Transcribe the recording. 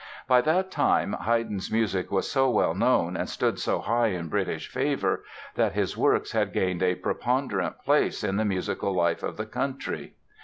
By that time Haydn's music was so well known and stood so high in British favor that his works had gained a preponderant place in the musical life of the country.